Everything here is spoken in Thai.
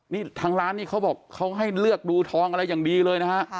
นี่ทางร้านนี่เขาบอกเขาให้เลือกดูทองอะไรอย่างดีเลยนะฮะ